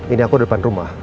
ini aku depan rumah